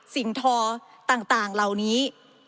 ทอต่างเหล่านี้